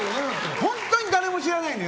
本当に誰も知らないのよ。